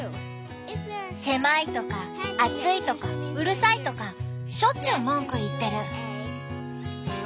狭いとか暑いとかうるさいとかしょっちゅう文句言ってる。